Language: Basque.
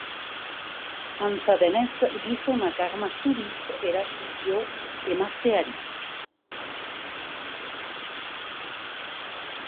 Antza denez, gizonak arma zuriz eraso dio emazteari.